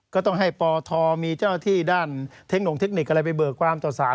ก็ต้องให้ปทมีเจ้าหน้าที่ด้านเทคนิคเทคนิคอะไรไปเบิกความต่อสาร